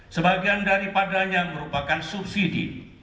sebagian daripadanya merupakan subsidi